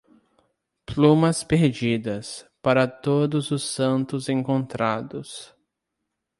Plumas perdidas, para Todos os Santos encontrados.